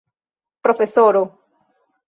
profesoro